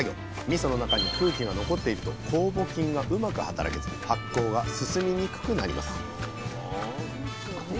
みその中に空気が残っていると酵母菌がうまく働けず発酵が進みにくくなります